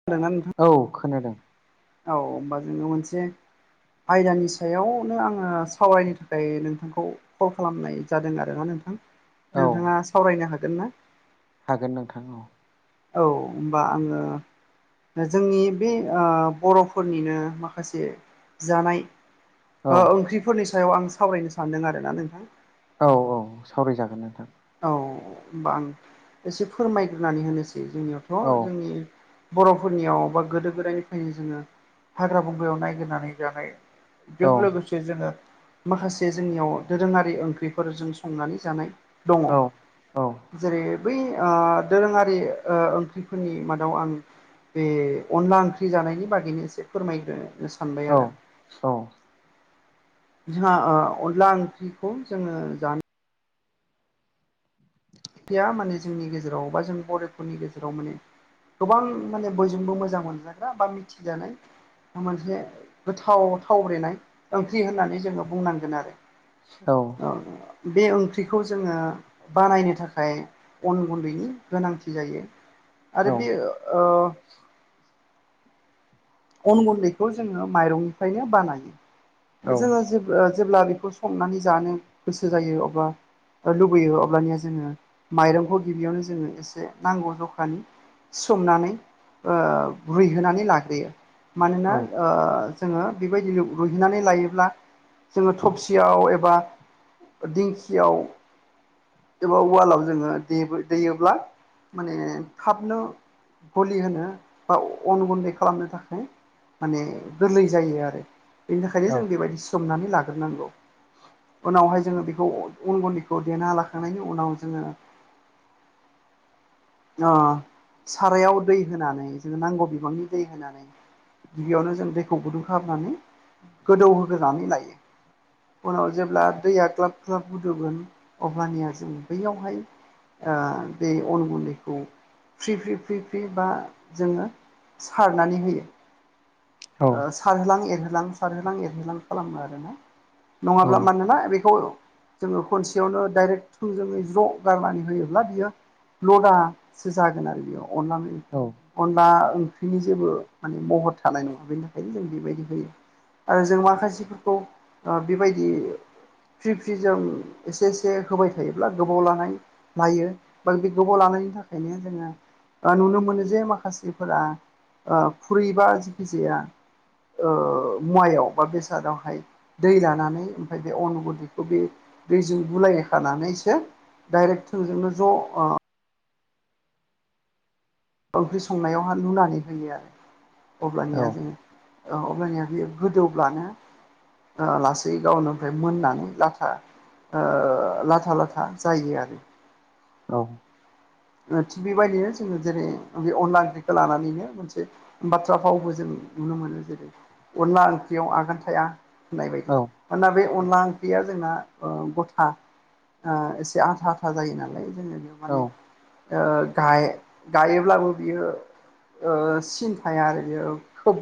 [unintelligible] औ खोनादों औ होमबा जोङो मोनसे आयदानि सायावनो आङो सावरायनो थाखाय नोंथांखौ कल खालामनाय जादों आरोना नोंथां औ नोंथाङा सावरायनो हागोन ना हागोन नोंथां औ औ होनबा आङो जोंनि बे ओ बर'फोरनिनो माखासे जानाय औ ओ ओंख्रिफोरनि सायाव आं सावरायनो सानदों आर ना नोंथां औ औ सावरायजागोन नोंथां औ होमबा आं एसे फोरमायग्रोनानै होनोसै औ जोंनियावथ' जोंनि बर'फोरनियाव बा गोदो गोदायनिफ्रायनो जोङो हाग्रा बंग्रायाव नायगिरनानै जानाय जों औ लोगोसे जोङो माखासे जोंनियाव दोरोङारि ओंख्रिफोरजों संनानै जानाय दङ' औ औ जेरै बै ओ दोरोङारि ओ ओंख्रिफोरनि मादाव आं बे अनला ओंख्रि जानायनि बागैनो एसे फोरमायगोनो सानबाय औ आरो आं औ जोंहा ओ अनला ओंख्रिखौ जोङो जानो या माने जोंनि गेजेराव बा जों बर'फोरनि गेजेराव माने गोबां माने बयजोंबो मोजां मोनजाग्रा बा मिथिजानाय मोनसे गोथाव थावब्रेनाय ओंख्रि होननानै जोङो बुंनांगोन आरो औ। ओ बे ओंख्रिखौ जोङो बानायनो थाख खाय अन गुन्दैनि गोनांथि जायो औ आरो बे ओ अन गुन्दैखौ जोङो माइरंनिफ्रायनो बानायो जोङो जे ओ जेब्ला बेखौ संनानै जानो गोसो जायो अब्ला ओ लुबैयो अब्लानिया जोङो माइरंखौ गिबियावनो जोङो एसे नांगौ जखानि सोमनानै ओ रुइहोनानै लाग्रोयो मानोना ओ जोङो बेबायदिनो रुइहोनानै लायोब्ला जोङो थबसियाव एबा दिंखियाव खोबाव उवालाव जोङो देबो दैयोब्ला माने थाबनो गलि होनो बा अन गुन्दै खालामनो थाख ओ माने गोरलै जायो आरो बेनि थाखायनो जों बेबायदि सोमनानै लाग्रोनांगौ। उनावहाय जोङो बेखौ उन गन्दैखौ देना लाखांनायनि उनाव जोङो ओ सारायाव दै होनानै जोंङो नांगौ बिबांनि दै होनानै गिबियावनो जों दैखौ गुदुं खालामनानै गोदौहोग्रोनानै लायो। उनाव जेब्ला दैया ग्लाब ग्लाब गुदुंगोन अब्लानिया जों बैयावहाय ओ बे अन गुन्दै खौ फ्रि फ्रि फ्रि फ्रि बा जोङो सारनानै होयो। ओ सारहोलां एरहोलां सारहोलां एरहोलां खालामो आरोना। नङाब्ला मानोना बेखौ जोङो खनसेयावनो डाइरेक्ट थोंजोङै ज्र' गारनानै होयोब्ला बियो लदासो जागोन आरो बेयाव अननानै औ। अनला ओंख्रिनि जेबो माने महर थानाय नङा। बेनि थाखायनो जों बेबायदि होयो आरो जों माखासेफोरखौ ओ बेबायदि फ्रि फ्रिजों एसे एसे होबाय थायोब्ला गोबाव लानाय मायो बा बे गोबाव लानायनि थाखायनो जोङो ओ नुनो मोनो जे माखासेफोरा ओ फुरैबा जिखि जाया ओ मुवायाव बा बेसादावहाय दै लानानै ओमफाय बे अन गुदैखौ बे दैजों गुलाय खानानैसो डाइरेक्ट थोंजोंनो ज' ओ ओंख्रि संनायावहा लुनानै होयो आरो अब्लानिया जोंङो ओ अब्लानिया बियो गोदौब्लानो ओ लासै गावनोफ्राय मोननानै लाथा ओ लाथा लाथा जायो आरो। औ। ओ थिग बेबायदिनो जोङो जेरै ओ बे अनला ओंख्रिखो लानानैनो मोनसे बाथ्रा फावबो जों नुनो मोनो जेरै अनला ओंख्रियाव आगान थाया। होननाय बायदि मानोना बे अनला ओंख्रिया जोंना ओ गथा। ओ एसे आथा आथा जायो नालाय जोङो बेयाव माने ओ गा गायोब्लाबो बियो ओ सिन थाया आरो बियो। खोब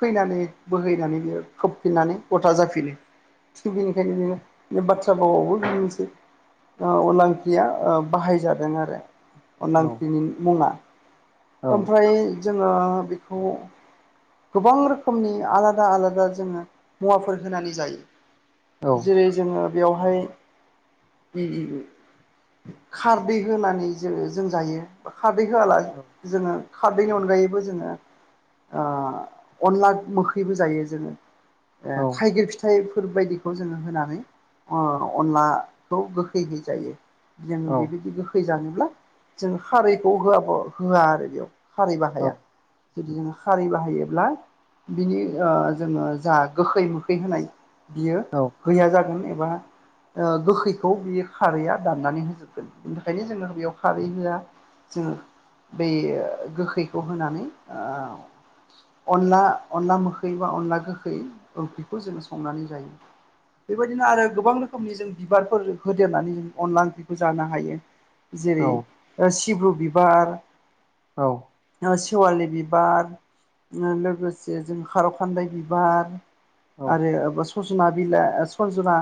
फैनानै बोहैनानै बियो खोबफिननानै गथा जाफिनो। थिग बेनिखायनो जोङो बे बाथ्रा बावाबो बेदिनोसै। ओ अनला ओंख्रिया ओ बाहायजादों आरो। अनला‌ ओंख्रिनि मुङा ओमफ्राय जोङो बिखौ गोबां रोखोमनि आलादा आलादा जोङो मुवाफोर होनानै जायो। जेरै जोङो बेयावहाय इ इ इ खारदै होनानै ज जों जायो बा खारदै होआला जोङो खारदैनि अनगायैबो जोङो अनला मोखैबो जायो जोङो थाइगिर फिथाइफोर बायदि जोङो होनानै अनलाखौ गोखैहै जायो जों बेबायदि गो फैजानोब्ला जों हारिखौ होआ होआ आरो बेयाव हारि बाहाया जुदि जोङो खारै बाहायोब्ला बिनि ओ जोङो जा गोखै मोखै होनाय बियो औ। गैया जागोन एबा ओ गोखैखौ बे खारैया दाननानै होजोबगोन बिनि थाखायनो जोङो बेयाव खारै होआ जोङो बे गोखैखौ होनानै ओ अनला अनला मोखै बा अनला गोखै ओंख्रिखौ जोङो संनानै जायो। बेबायदिनो आरो गोबां रोखोमनि जों बिबारफोर होदेरनानै जों अनला ओंख्रिखौ जानो हायो। जेरै ओ सिब्रु बिबार औ सेवालि बिबार लोगोसे जों खार' खान्दाय बिबार आरो सजना बिलाइ सजना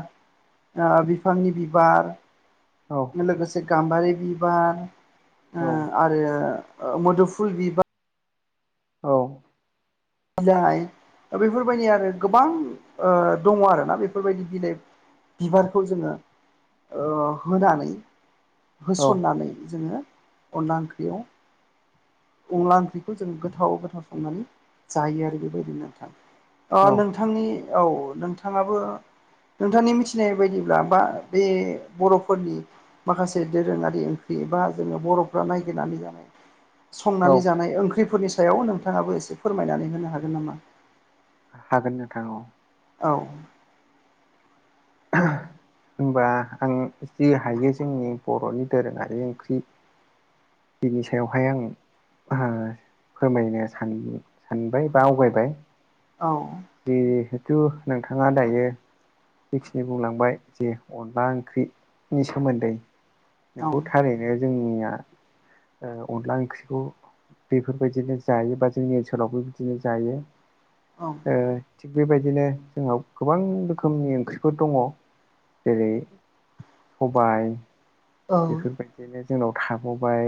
बिफांनि बिबार औ लोगोसे गाम्बारि बिबार आरो मोदुफुल बिबार औ जाय बेफोरबायदि आरो गोबां दङ आरोना बेफोरबायदि बिलाइ बिबारखौ जोङो ओ होनानै होसननानै जोङो अनला ओंख्रियाव अनला ओंख्रिखौ जों गोथाव गोथाव संनानै जायो आरो बेबायदिनो नोंथां नोंथांनि औ नोंथाङाबो नोंथांनि मिथिनाय बायदिब्ला बा बे बर'फोरनि माखासे दोरोङारि ओंख्रि एबा जोङो बर'फ्रा ननायागिरनानै जानाय संनानै जानाय ओंख्रिफोरनि सायाव नोंथाङाबो एसे फोरमायनानै होनो हागोन नामा? हागोन नोंथां औ औ [inaudible] होमबा आं जि हायो जोंनि बर'नि दोरोङारि ओंख्रि बिनि सायावहाय आङो फोरमायनोन सानबाय बा आवगायबाय औ जिहेथु नोंथाङा दायो जिखिनि बुंलांबाय जे अनला ओंख्रिनि सोमोन्दै औ नोंगौ थारै बे जोंनिया अनला ओंख्रिखौ बेफोरबायदिनो जायो बा जोंनि ओनसोलावबो बिदिनो जायो। औ थिग बेबायदिनो जोंनाव गोबां रोखोमनि ओंख्रि फोर दङ जेरै सबाय औ बेफोरबायदिनो जोंनाव थाबावबाय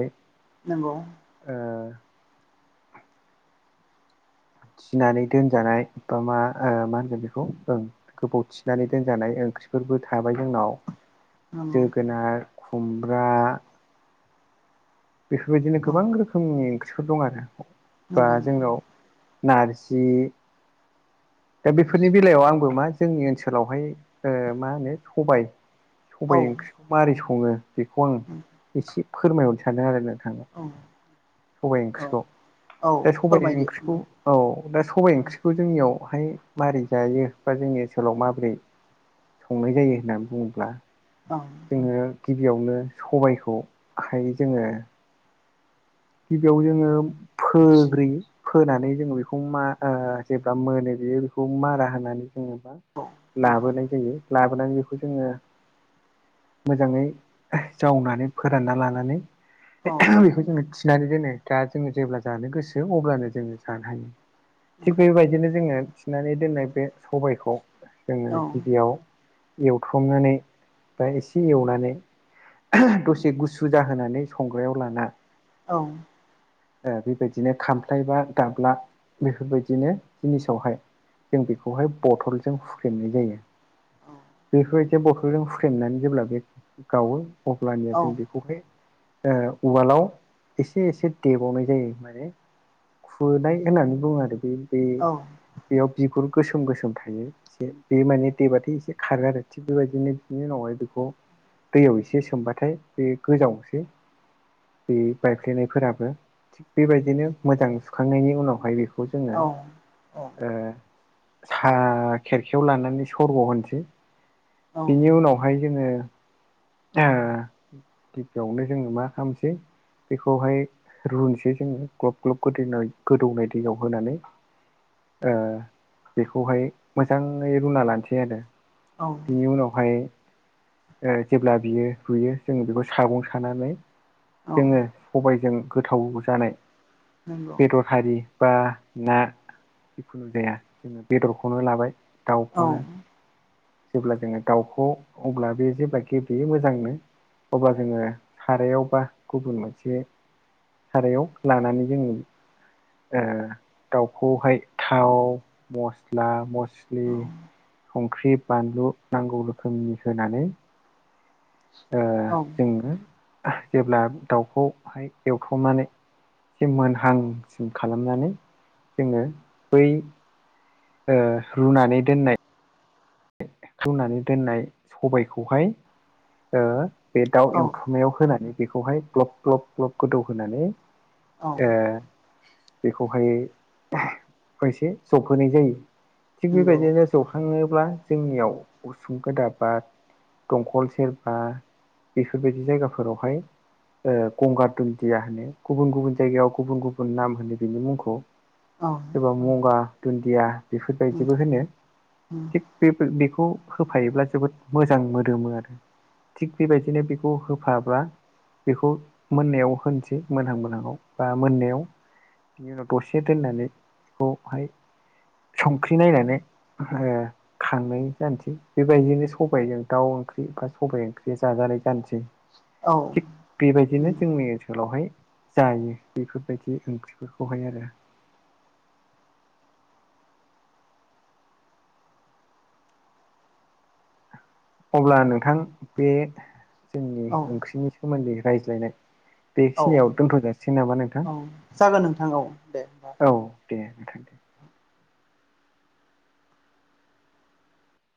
नंगौ ओ फिनानै दोनजानाय बा मा मा होनगोन बेखौ गोबाव थिनानै दोनजानाय ओंख्रिफोरबो थाबाय जोंनाव नंगौ जोगोनार खुमब्रा बेफोरबायदिनो औ गोबां रोखोमनि ओंख्रिफोर दं आरो बा नंगौ नंगौ जोंनाव नारजि दा बेफोरनि बेलायाव आंबो मा जोंनि ओनसोलावहाय मा होनो सबाय औ सबाइ ओंख्रिखौ माबोरै सङो बेखौ आं एसे फोरमायहरनो सानदों आरो नोंथांनो औ सबायाइ औ ओंख्रिखौ औ दा सबाय फोरमायदो ओंख्रिखौ औ दा सबाइ ओंख्रिखौ जोंनियावहाय माबोरै जायो बा जोंनि ओनसोलाव माबोरै संनाय जायो होननानै बुङोब्ला औ जोङो गिबियावनो सबायखौ आखाइ जोङो गिबियाव जोङो फोग्रि फोनानै जोङो बेखौ मा जेब्ला मोनो बेयो बेखौ मारा होनानै जोेबा नोंथां लाबोनाय जायो लाबोनानै बेखौ जोङो मोजाङै जावनानै फोरानना लानानै औ बेखौ जोङो थि फिनानै दोनो दा जोङो जेब्ला जानो गोसो अब्लानो जोङो जानो हायो थिग बेबायदिनो जोङो थिनानै दोननाय बे सबायखौ जोङो औ गिबियाव एवथ'नानै बा एसे एवनानै दसे गुसु जाहोनानै संग्रायाव लाना औ बेबायदिनो खामफ्लाय बा गाब्ला बेफोरबायदिनो जिनिसावहाय जों बेखौहाय बथलजों फुख्लेमनाय जायो। बेफोरबायदि बथलजों हुखेमनानै जेब्ला बे गावो अब्लानिया जों बेखौहाय उवालाव एसे एसे देबावनाय जायो माने खुनाय होननानै बुङो आरो बे बे बेयाव बिगुर गोसोम गोसोम थायो। ए बे माने दैबाथाय एसे खारो आरो थिग बेबायदिनो बिनि उनावहाय बेखौ दैयाव एसे सोमबाथाय बे गोजावसै बे बायफ्लेनायफोराबो थिग बेबायदिनो मोजां सुखांनायनि उनावहाय बेखौ जोङो औ सा खेरखायाव लानानै सरग' होनोसै बिनि उनावहाय जोङो ए गिबियावनो जोङो मा खालामसै बेखौहाय रुनोसै जोङो ग्लब ग्लब गोदौ गोदौनाय दैयाव होनानै बेखौहाय मोजाङै रुना लानोसै आरो औ बिनि उनावहाय जेब्ला बियो रुयो जोङो बेखौ सागं सानानै औ जोङो सबायजों गोथाव जानाय नंगौ बेदर बेफारि बा ना जिखुनु जाया जोङो बेदरखौनो लाबाय औ दाउखौनो जेब्ला जोङो दाउखौ अब्ला बे जेब्ला गेब्लेयो मोजांनो अब्ला जोङो सारायावबा गुबुन मोनसे सारायाव लानानै जोङो दाउखौहाय थाव मस्ला मस्लि औ संख्रि बानलु नांगौ रोखोमनि होनानै औ जोङो जेब्ला दाउखौहाय एवथ'नानै ए मोनहांसिम खालामनानै जोङो बै रुनानै दोननाय रुनानै दोननाय सबायखौहाय बे दाउ औ एवथु होनानै बेखौहाय ग्लब ग्लब ग्लब गोदौ होनानै औ बेखौहाय खसे जबहोनाय जायो थिग नंगौ बेबायदिनो जौखाङोब्ला जोंनियाव उसुं गोदान बा दंखल सेरबा बेफोरबायदि जायगाफोरावहाय ओ गंगार दुन्दिया होनो गुबुन गुबुन जायगायाव गुबुन गुबुन नाम होनो बिनि मुंखौ औ सोरबा मुगा दुन्दिया उम बेफोरबायदिबो होनो उम थिग बे बेखौ होफायोब्ला जोबोद मोजां मोदोमो आरो थिग बेबायदिनो बेखौ होफाब्ला बेखौ मोननायाव होनोसै मोनहां मोनहांआव बा मोननायाव बिनि उनाव दसे दोननानै बेखौहाय संख्रि नायनानै ओ खांनाय जानोसै बेबायदिनो सबायजों दाउ ओंख्रि बा सबाय ओंख्रि जाजानाय जानोसै औ थिग बेबायदिनो नंगौ जोंनि ओनसोलावहाय जायो बेफोरबायदि ओंख्रिफोरखौहाय आरो अब्ला नोंथां बे जोंनि औ ओंख्रिनि सोमोन्दै रायज्लायनाय औ बेखिनियाव दोनथ जासिगोन नामा नोंथां औ जागोन नोंथां औ दे होमबा औ दे नोंथां दे